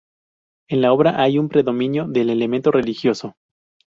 En la obra hay un predominio del elemento religioso.